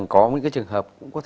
có những trường hợp